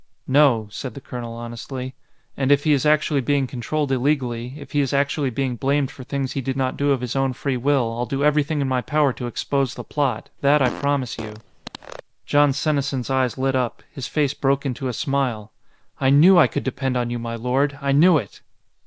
"No," said the colonel honestly. "And if he is actually being controlled illegally, if he is actually being blamed for things he did not do of his own free will, I'll do everything in my power to expose the plot that I promise you." Jon Senesin's eyes lit up; his face broke into a smile. "I knew I could depend on you, my lord! I knew it!"